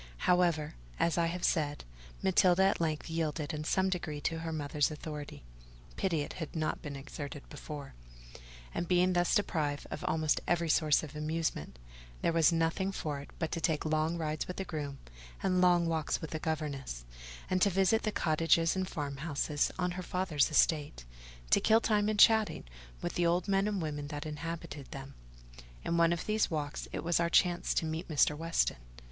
However, as I have said, Matilda at length yielded in some degree to her mother's authority (pity it had not been exerted before); and being thus deprived of almost every source of amusement, there was nothing for it but to take long rides with the groom and long walks with the governess, and to visit the cottages and farmhouses on her father's estate, to kill time in chatting with the old men and women that inhabited them. In one of these walks, it was our chance to meet Mr. Weston.